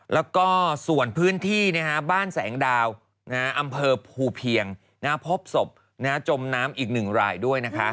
แล้วก็ส่วนพื้นที่บ้านแสงดาวอำเภอภูเพียงพบศพจมน้ำอีก๑รายด้วยนะคะ